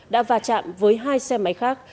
đã va chạm với hai xe máy khác